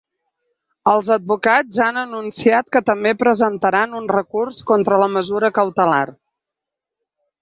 Els advocats ja han anunciat que també presentaran un recurs contra la mesura cautelar.